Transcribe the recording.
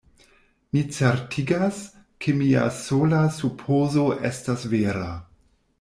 Mi certigas, ke mia sola supozo estas vera.